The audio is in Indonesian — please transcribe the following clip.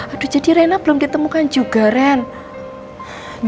aduh jadi rena belum ditemukan juga ren